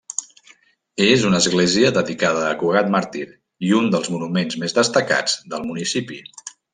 És una església dedicada a Cugat màrtir i un dels monuments més destacats del municipi.